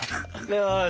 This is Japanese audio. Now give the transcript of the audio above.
よし！